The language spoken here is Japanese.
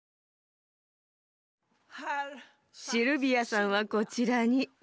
シルビアさんはこちらに。